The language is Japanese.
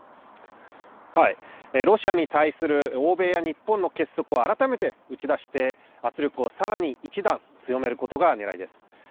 ロシアに対する欧米や日本の結束を改めて打ち出して、圧力をさらに一段強めることがねらいです。